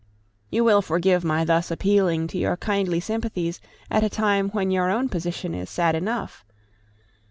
You will forgive my thus appealing to your kindly sympathies at a time when your own position is sad enough.